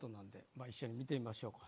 まあ一緒に見てみましょうか。